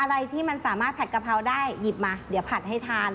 อะไรที่มันสามารถผัดกะเพราได้หยิบมาเดี๋ยวผัดให้ทาน